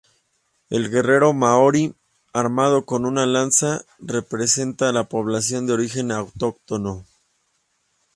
El guerrero maorí, armado con una lanza, representa a la población de origen autóctono.